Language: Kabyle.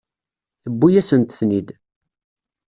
Tewwi-yasent-ten-id.